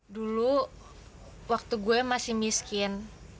dulu waktu gue masih miskin